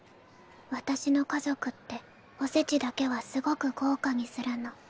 私の家族っておせちだけはすごく豪華にするの。